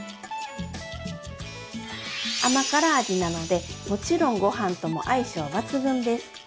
甘辛味なのでもちろんごはんとも相性抜群です！